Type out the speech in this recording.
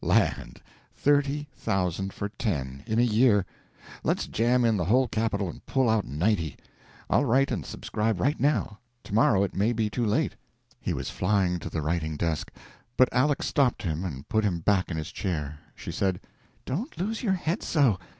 "Land, thirty thousand for ten in a year! Let's jam in the whole capital and pull out ninety! I'll write and subscribe right now tomorrow it maybe too late." He was flying to the writing desk, but Aleck stopped him and put him back in his chair. She said: "Don't lose your head so.